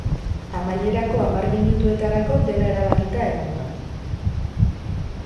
Amaierako hamar minutuetarako dena erabakita egon da.